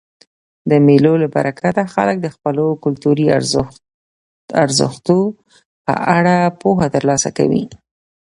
د مېلو له برکته خلک د خپلو کلتوري ارزښتو په اړه پوهه ترلاسه کوي.